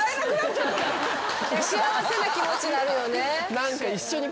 幸せな気持ちなるよね。